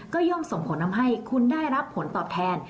ก็ย่อมส่งผลทำให้คุณได้รับผลตอบแทน